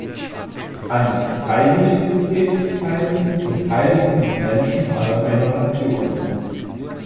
An Freiwilligentätigkeiten beteiligen sich Menschen aller Generationen.